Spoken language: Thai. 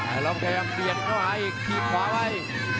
แล้วเรากำลังขยับเปลี่ยนไว้ทีมขวาไว้